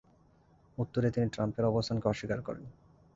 উত্তরে তিনি ট্রাম্পের অবস্থানকে অস্বীকার করেন।